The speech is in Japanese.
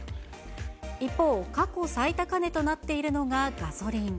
一方、過去最高値となっているのがガソリン。